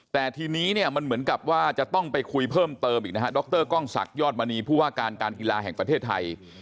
แต่ทีนี้เนี่ยมันเหมือนกับว่าจะต้องไปคุยเพิ่มเติมอีกนะฮะดรกล้องศักดิยอดมณีผู้ว่าการการกีฬาแห่งประเทศไทย